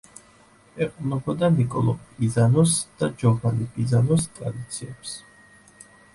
ეყრდნობოდა ნიკოლო პიზანოს და ჯოვანი პიზანოს ტრადიციებს.